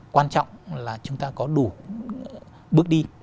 quan trọng là chúng ta có đủ bước đi